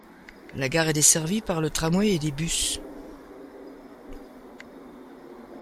La gare est desservie par le tramway et des bus.